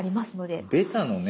あベタのね！